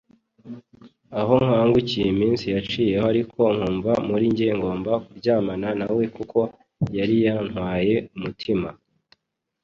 aho nkangukiye iminsi yaciyeho ariko nkumva muri njye ngomba kuryamana nawe kuko yariyantwaye umutima